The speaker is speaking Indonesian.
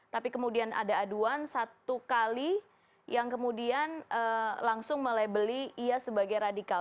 tapi kemudian ada aduan satu kali yang kemudian langsung melabeli ia sebagai radikal